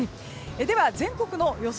では全国の予想